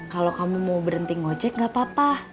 kalau kamu mau berhenti ngojek gak apa apa